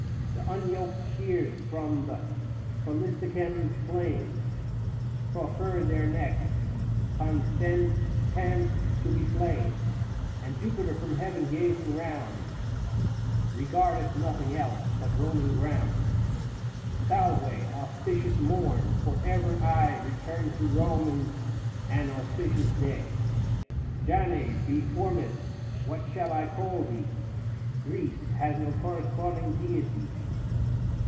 The unyoked steers, from the Faliscan plain, 90 Proffer their necks consentant to be slain; And Jupiter from heaven gazing round Kegardeth nothing else, but Koman ground. Salve, auspicious morn ! for ever aye Eeturn to Komans an auspicious day. 95 Jane biformis, what shall I call thee ? Greece, has no corresponding deity.